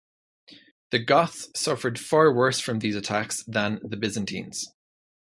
The Goths suffered far worse from these attacks than the Byzantines.